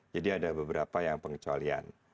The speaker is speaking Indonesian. jadi ada beberapa yang pengecualian